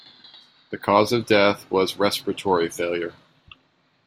The cause of death was respiratory failure.